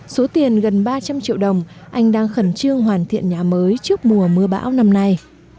số tiền gần ba trăm linh triệu đồng anh đang khẩn trương hoàn thiện nhà mới trước mùa mưa bão năm nay